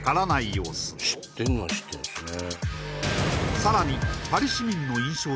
様子知ってんのは知ってんですね